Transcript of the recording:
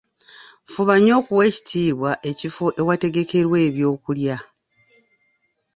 Fuba nnyo okuwa ekitiibwa ekifo ewategekerwa ebyokulya.